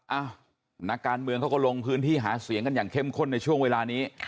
นักการเมืองเขาก็ลงพื้นที่หาเสียงกันอย่างเข้มข้นในช่วงเวลานี้